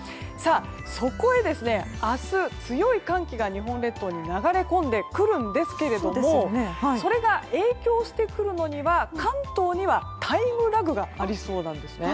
そこへ、明日、強い寒気が日本列島に流れ込んでくるんですけれどもそれが影響してくるのには関東にはタイムラグがありそうなんです。